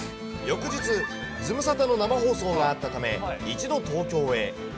翌日、ズムサタの生放送があったため、一度東京へ。